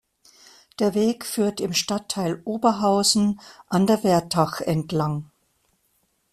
Der Weg führt im Stadtteil Oberhausen an der Wertach entlang.